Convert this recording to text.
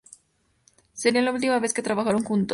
Sería la última vez que trabajaron juntos.